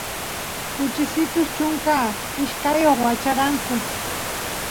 kuchisitus chunka ishkayoq wacharanku